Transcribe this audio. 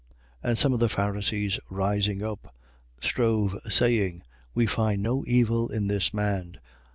And some of the Pharisees rising up, strove, saying: We find no evil in this man.